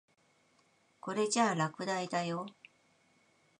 これじゃ落第だよ。